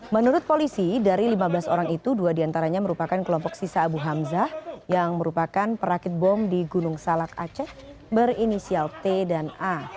menurut polisi dari lima belas orang itu dua diantaranya merupakan kelompok sisa abu hamzah yang merupakan perakit bom di gunung salak aceh berinisial t dan a